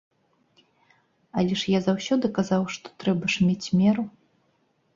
Але я заўсёды казаў, што трэба ж мець меру.